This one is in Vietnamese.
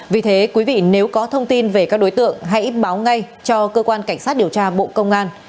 vì thế quý vị nếu có thông tin về các đối tượng hãy báo ngay cho cơ quan cảnh sát điều tra bộ công an